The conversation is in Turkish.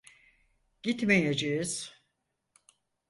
Gitmeyeceğiz.